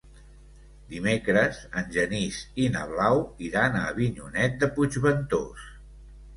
Dimecres en Genís i na Blau iran a Avinyonet de Puigventós.